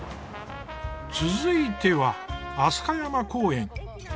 続いては飛鳥山公園。